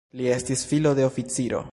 Li estis filo de oficiro.